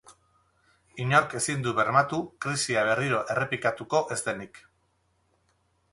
Inork ezin du bermatu krisia berriro errepikatuko ez denik.